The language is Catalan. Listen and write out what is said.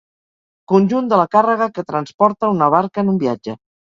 Conjunt de la càrrega que transporta una barca en un viatge.